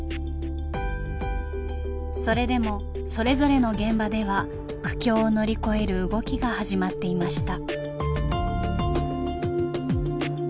それでもそれぞれの現場では苦境を乗り越える動きが始まっていました。